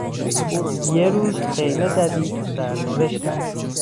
یه روز خیمه زدی تو سرنوشتم